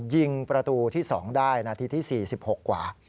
ยิงประตูที่๒ได้นาทีที่๔๖กว่า